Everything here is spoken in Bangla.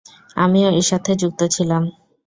আমিও এর সাথে যুক্ত ছিলাম।